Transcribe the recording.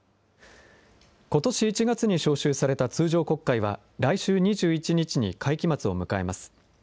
ことし１月に召集された通常国会は来週２１日に会期末を迎えます。